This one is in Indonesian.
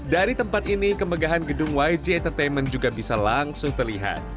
dari tempat ini kemegahan gedung yj entertainment juga bisa langsung terlihat